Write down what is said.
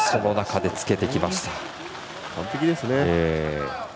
完璧ですね。